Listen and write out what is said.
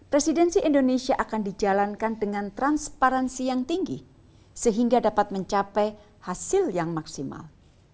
presidensi indonesia akan dijalankan dengan transparansi yang tinggi sehingga dapat mencapai hasil yang maksimal